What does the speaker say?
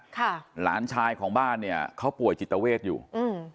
หลานชายของบ้านเนี้ยเขาป่วยจิตเวทอยู่อืม